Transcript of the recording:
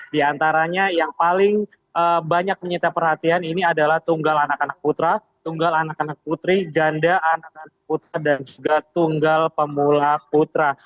di antaranya yang paling banyak menyita perhatian ini adalah tunggal anak anak putra tunggal anak anak putri ganda anak anak putra dan juga tunggal pemula putra